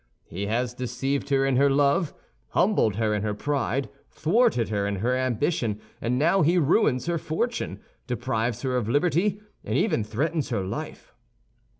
He has deceived her in her love, humbled her in her pride, thwarted her in her ambition; and now he ruins her fortune, deprives her of liberty, and even threatens her life.